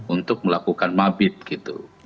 untuk melakukan mabit gitu